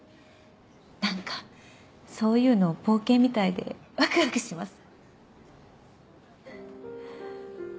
何かそういうの冒険みたいでワクワクします。